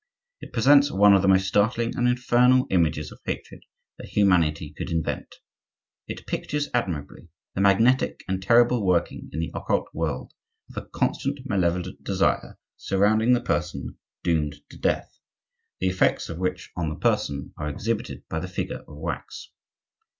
It presents one of the most startling and infernal images of hatred that humanity could invent; it pictures admirably the magnetic and terrible working in the occult world of a constant malevolent desire surrounding the person doomed to death; the effects of which on the person are exhibited by the figure of wax.